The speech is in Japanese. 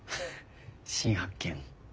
新発見。